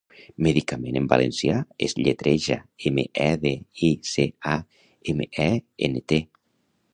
'Medicament' en valencià es lletreja: eme, e, de, i, ce, a, eme, e, ene, te.